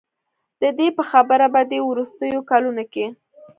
د دې په خبره په دې وروستیو کلونو کې